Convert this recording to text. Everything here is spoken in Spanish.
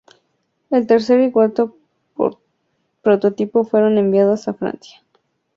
El tercer y cuarto prototipo fueron enviados a Francia para la competición.